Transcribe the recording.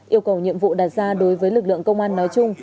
yêu cầu nhiệm vụ đặt ra đối với lực lượng công an nói chung